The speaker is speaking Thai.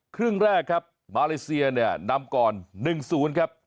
ครึ่งแรกครับมาเลเซียเนี่ยนำก่อน๑๐ครับ